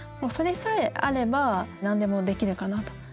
それさえあれば何でもできるかなと。